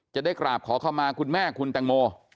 จะได้กราบขอเข้ามาคุณแม่คุณแตงโม